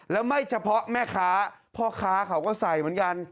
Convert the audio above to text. แล้วไม่เฉพาะแม่ค้าพ่อค้าเขาก็ใส่เหมือนกัน